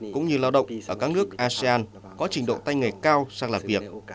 cũng như lao động ở các nước asean có trình độ tay nghề cao sang làm việc